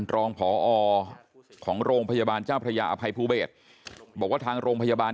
รองผอของโรงพยาบาลเจ้าพระยาอภัยภูเบศบอกว่าทางโรงพยาบาล